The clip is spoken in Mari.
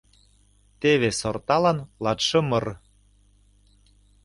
Теве сорталан латшымыр.